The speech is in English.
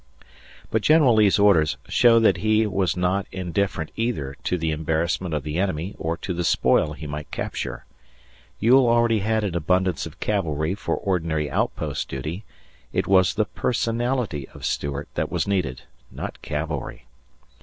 But General Lee's orders show that he was not indifferent either to the embarrassment of the enemy or to the spoil he might capture. Ewell already had an abundance of cavalry for ordinary outpost duty. It was the personality of Stuart that was needed not cavalry.